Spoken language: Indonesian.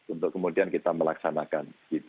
untuk kemudian kita melaksanakan